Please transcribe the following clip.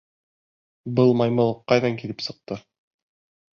— Был маймыл ҡайҙан килеп сыҡты?